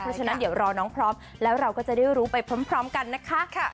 เพราะฉะนั้นเดี๋ยวรอน้องพร้อมแล้วเราก็จะได้รู้ไปพร้อมกันนะคะ